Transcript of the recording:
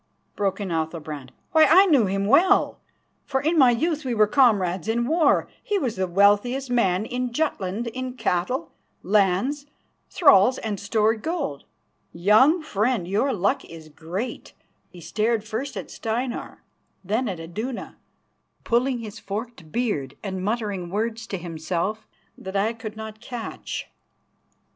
broke in Athalbrand. "Why, I knew him well, for in my youth we were comrades in war. He was the wealthiest man in Jutland in cattle, lands, thralls and stored gold. Young friend, your luck is great," and he stared first at Steinar, then at Iduna, pulling his forked beard and muttering words to himself that I could not catch.